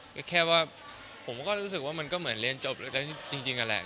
ก็แค่ว่าผมก็รู้สึกว่ามันก็เหมือนเรียนจบจริงนั่นแหละ